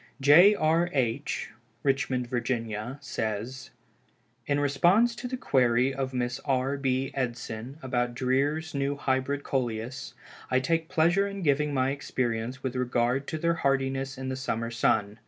J. R. H., Richmond, Va., says: "In response to the query of Mrs. R. B. Edson about Dreer's New Hybrid Coleus, I take pleasure in giving my experience with regard to their hardiness in the summer sun.